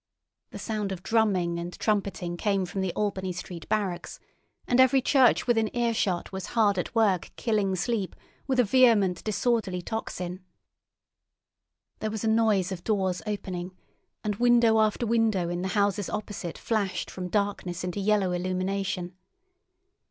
The sound of drumming and trumpeting came from the Albany Street Barracks, and every church within earshot was hard at work killing sleep with a vehement disorderly tocsin. There was a noise of doors opening, and window after window in the houses opposite flashed from darkness into yellow illumination.